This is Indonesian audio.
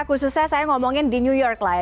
khususnya saya ngomongin di new york lah ya